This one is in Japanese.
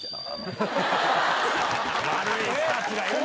悪いスタッフがいるな！